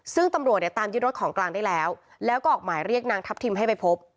ซึ่งตำรวจเนี่ยตามยึดรถของกลางได้แล้วแล้วก็ออกหมายเรียกนางทัพทิมให้ไปพบ